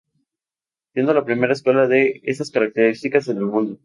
Siendo la primera escuela de estas características en el mundo.